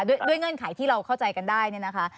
เงื่อนไขที่เราเข้าใจกันได้เนี่ยนะคะ